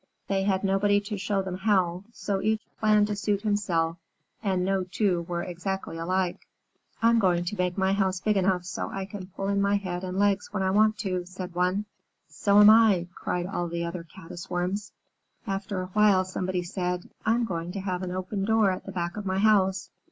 They had nobody to show them how, so each planned to suit himself, and no two were exactly alike. "I'm going to make my house big enough so I can pull in my head and legs when I want to," said one. "So am I," cried all the other Caddis Worms. After a while, somebody said, "I'm going to have an open door at the back of my house."